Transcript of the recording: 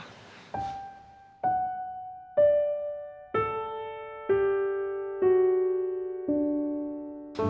เป็นรวมสิ่งที่ดูก็เถอะ